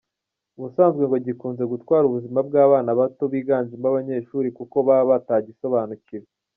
Ubusanzwe ngo gikunze gutwara ubuzima bw’abana bato biganjemo abanyeshuri kuko baba batagisobanukiwe.